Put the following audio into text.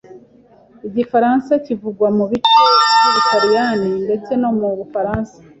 Igifaransa kivugwa mu bice by'Ubutaliyani ndetse no mu Bufaransa.